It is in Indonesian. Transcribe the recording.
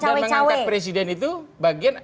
karena mengganti dan mengangkat presiden itu bagian